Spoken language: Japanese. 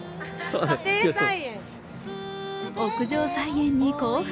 屋上菜園に興奮。